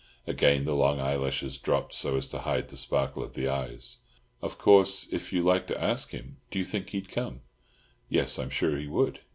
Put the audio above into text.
Again the long eyelashes dropped so as to hide the sparkle of the eyes. "Of course, if you like to ask him—" "Do you think he'd come?" "Yes, I'm sure he would.